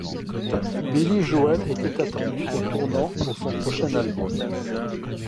Billy Joel était attendu au tournant pour son prochain album.